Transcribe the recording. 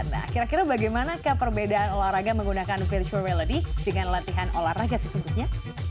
nah kira kira bagaimana keperbedaan olahraga menggunakan virtual reality dengan latihan olahraga sesungguhnya